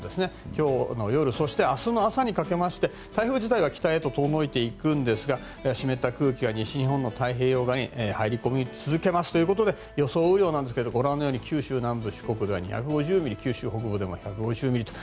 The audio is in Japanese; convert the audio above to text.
今日の夜そして明日の朝にかけまして台風自体は北へと遠のいていくんですが湿った空気が西日本の太平洋側に入り込み続けますということで予想雨量なんですがご覧のように九州南部、四国では２５０ミリ九州北部でも１５０ミリと。